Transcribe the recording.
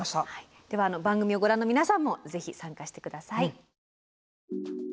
では番組をご覧の皆さんもぜひ参加して下さい。